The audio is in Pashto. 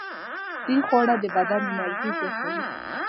صحي خواړه د بدن انرژي زیاتوي.